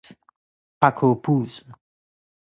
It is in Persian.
پک و پوز